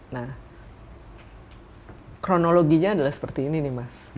nah kronologinya adalah seperti ini nih mas